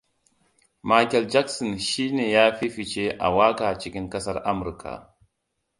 Makel Jakson shine ya fi fice a waƙa cikin ƙasar Amurka.